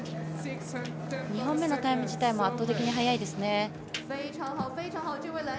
２本目のタイム自体も圧倒的に早いですね。